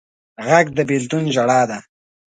غږ د بېلتون ژړا ده